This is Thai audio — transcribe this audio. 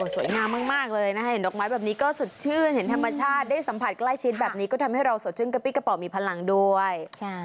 สวยงามมากสุดชื่นธรรมชาติได้สัมผัสใกล้ชินทำให้เราสดชื่นกระป๋อมีพลังด้วย